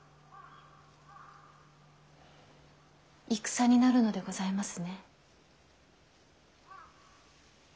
戦になるのでございますね。